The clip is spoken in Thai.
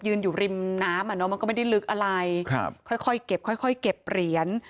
ยืนอยู่ริมน้ำมันก็ไม่ได้ลึกอะไรค่อยเก็บเก็บเหรียญ